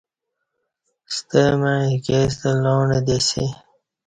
ستہ مع ایکے ستہ لاݨہ دی اسی